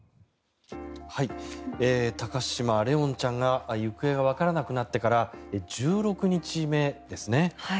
高嶋怜音ちゃんが行方がわからなくなってから１６日目ですね。